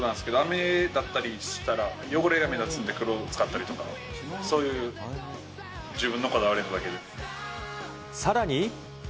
これ、試合用なんですけど、雨だったりしたら汚れが目立つんで黒を使ったりとか、そういう自さらに。